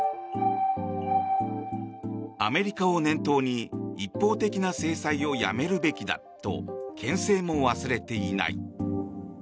アメリカを念頭に一方的な制裁をやめるべきだとけん制も忘れていない。